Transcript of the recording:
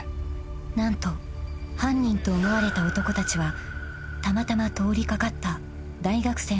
［何と犯人と思われた男たちはたまたま通り掛かった］